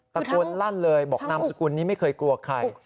ตะโกนลั่นเลยบอกนามสกุลนี้ไม่เคยกลัวใคร